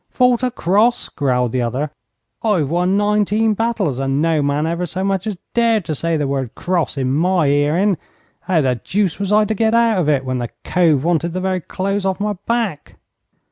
'Fought a cross!' growled the other. 'I've won nineteen battles, and no man ever so much as dared to say the word "cross" in my hearin'. How the deuce was I to get out of it when the cove wanted the very clothes off my back?'